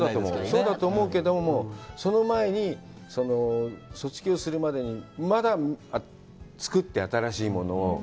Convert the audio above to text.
そうだと思うけども、その前に、卒業するまでにまだ作って、新しいものを。